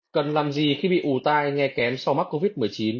cần làm gì khi bị ủ tai nghe kén sau mắc covid một mươi chín